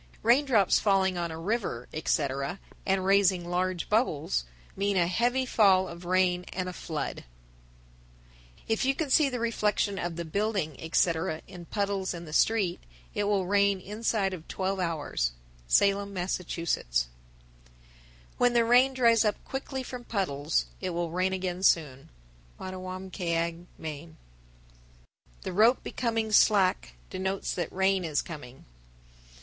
1033. Raindrops falling on a river, etc., and raising large bubbles, mean a heavy fall of rain and a flood. 1034. If you can see the reflection of the building, etc., in puddles in the street, it will rain inside of twelve hours. Salem, Mass. 1035. When the rain dries up quickly from puddles, it will rain again soon. Mattawamkeag, Me. 1036. The rope becoming slack denotes that rain is coming.